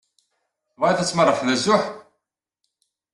Tebɣiḍ ad tmerrḥeḍ azuḥ?